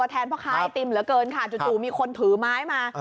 พ่อค้าไอติมเหลือเกินค่ะจู่มีคนถือไม้มา